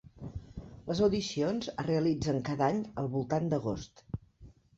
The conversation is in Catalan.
Les audicions es realitzen cada any al voltant d'agost.